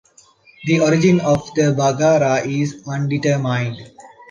The origin of the Baggara is undetermined.